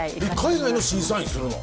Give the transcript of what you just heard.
海外の審査員するの？